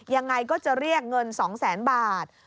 ยังไงก็จะเรียกเงิน๒แสนบาท